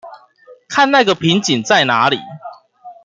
看那個瓶頸在哪裡